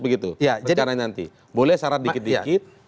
begitu boleh syarat dikit dikit